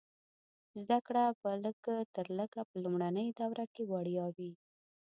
زده کړه به لږ تر لږه په لومړنیو دورو کې وړیا وي.